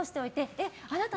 えっ？